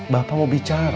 bapak mau bicara